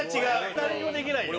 誰にもできないよ。